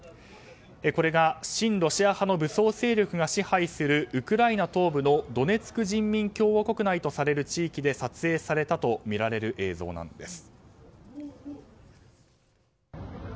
これが親ロシア派の武装勢力が支配するウクライナ東部のドネツク人民共和国内で地域で撮影されたとみられる映像です。